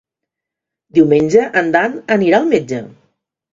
Diumenge en Dan anirà al metge.